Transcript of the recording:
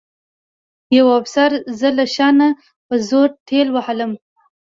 یوه افسر زه له شا نه په زور ټېل وهلم